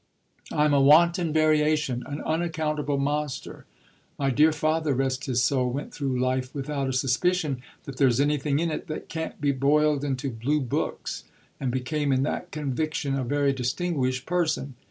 I'm a wanton variation, an unaccountable monster. My dear father, rest his soul, went through life without a suspicion that there's anything in it that can't be boiled into blue books, and became in that conviction a very distinguished person.